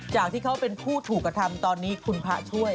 จากที่เขาเป็นผู้ถูกกระทำตอนนี้คุณพระช่วย